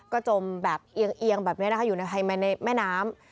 ก็จมแบบเอียงแบบนี้นะคะอยู่ในภายในแม่น้ำ